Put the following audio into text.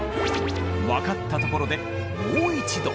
分かったところでもう一度！